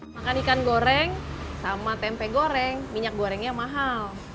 makan ikan goreng sama tempe goreng minyak gorengnya mahal